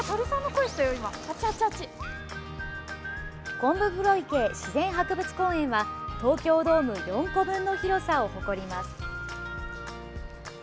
こんぶくろ池自然博物公園は東京ドーム４個分の広さを誇ります。